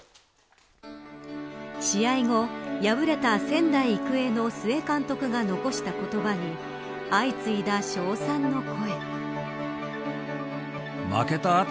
試合後、敗れた仙台育英の須江監督が残した言葉に相次いだ称賛の声。